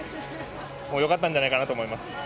良かったんじゃないかなと思います。